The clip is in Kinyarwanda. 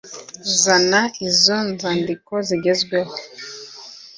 Zana izo nzandiko zigezweho